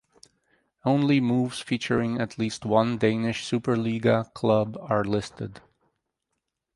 Only moves featuring at least one Danish Superliga club are listed.